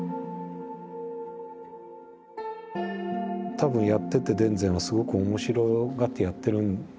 多分やってて田善はすごく面白がってやってるんだと思うんです。